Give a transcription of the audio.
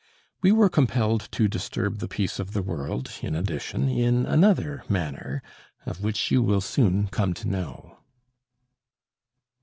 We were compelled to disturb the peace of the world, in addition, in another manner, of which you will soon come to know.